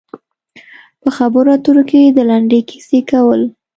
په خبرو اترو کې د لنډې کیسې کول.